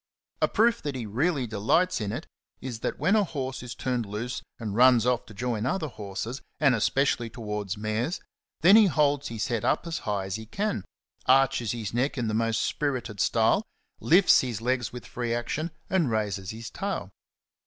A proof that he really delights in it is that when a horse is turned loose and runs off to join other horses, and especially towards mares, then he holds his head up as high as he can, arches his neck in the most spirited style, lifts his legs with free action, and raises his tail.